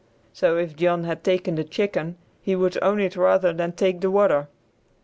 So if John had taken the chicken he would own it rather than take the water.